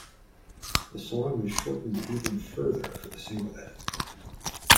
The song was shortened even further for the single edit.